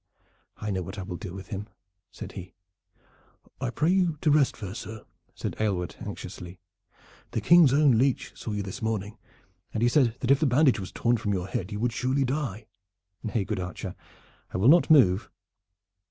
"I know what I will do with him," said he. "I pray you to rest, fair sir," said Aylward anxiously. "The King's own leech saw you this morning, and he said that if the bandage was torn from your head you would surely die." "Nay, good archer, I will not move.